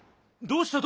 どうした？